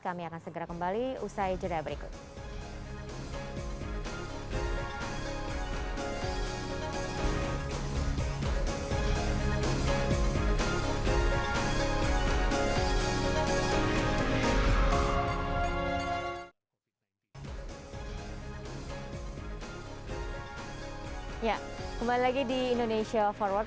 kami akan segera kembali usai cerita berikut